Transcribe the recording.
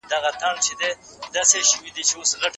دا د فوټبال کالي د خولې د جذبولو لپاره ځانګړی کیفیت لري.